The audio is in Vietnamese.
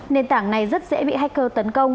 nền tảng này rất dễ bị hacker tấn công